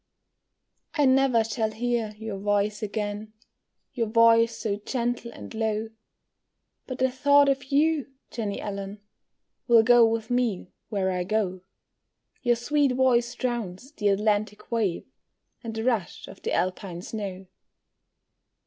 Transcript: I never shall hear your voice again, Your voice so gentle and low But the thought of you, Jenny Allen, Will go with me where I go. Your sweet voice drowns the Atlantic wave And the rush of the Alpine snow.